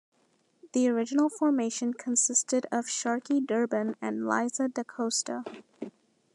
The original formation consisted of Sharky Durban and Liza da Costa.